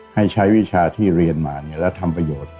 ให้ใช้วิชาที่เรียนมาแล้วทำประโยชน์